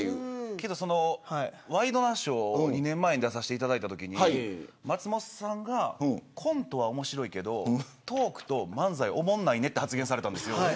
２年前にワイドナショーに出させてもらったときに松本さんがコントは面白いけどトークと漫才はおもんないねと発言されたんです。